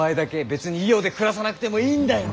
別に伊予で暮らさなくてもいいんだよ。